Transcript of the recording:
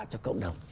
cho cộng đồng